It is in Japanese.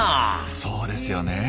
そうですよね。